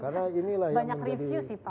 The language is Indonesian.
karena inilah yang menjadi